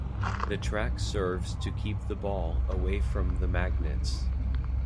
The track serves to keep the ball away from the magnets.